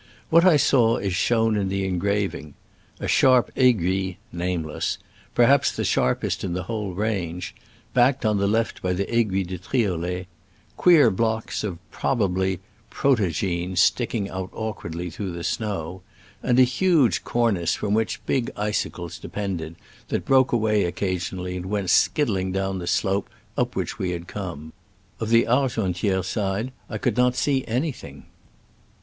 What I saw is shown in the engraving — a sharp aiguille (nameless), perhaps the sharpest in the whole range, backed on the left by the Aiguille de Triolef ; queer blocks of (probably) pro togine sticking out awkwardly through the snow ; and a huge cornice from which big icicles depended, that broke away occasionally and went skiddling down the slope up which we had como. Of the Argentiere side I could not see anything.